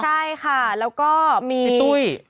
ใช่ค่ะแล้วก็มีพี่ตุ้ย